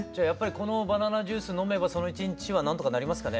このバナナジュース飲めばその一日はなんとかなりますかね？